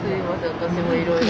私もいろいろ。